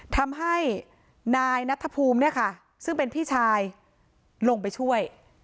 ทำให้นายนัทภูมิเนี่ยค่ะซึ่งเป็นพี่ชายลงไปช่วย